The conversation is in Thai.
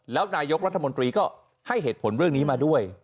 แล้วนายกรัฐมนตรีก็ให้เหตุผลเรื่องนี้มาด้วย